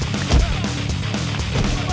bang harus kuat bang